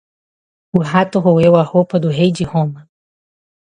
O rato roeu a roupa do Rei de roma